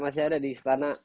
masih ada di istana